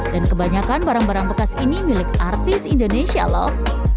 dan kebanyakan barang barang bekas ini milik artis indonesia loh